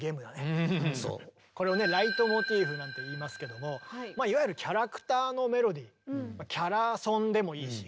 これをね「ライトモチーフ」なんていいますけどもまあいわゆるキャラクターのメロディーキャラソンでもいいし。